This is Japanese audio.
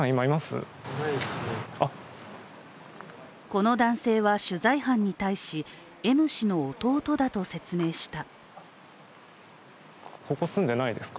この男性は取材班に対しＭ氏の弟だと説明した。